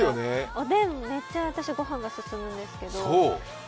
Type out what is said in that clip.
おでん、めっちゃ私、ご飯が進むんですけど。